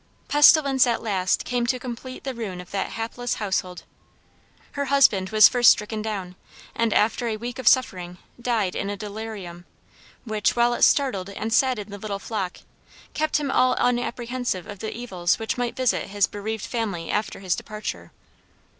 Pestilence at last came to complete the ruin of that hapless household. Her husband was first stricken down, and after a week of suffering, died in a delirium, which, while it startled and saddened the little flock, kept him all unapprehensive of the evils which might visit his bereaved family after his departure.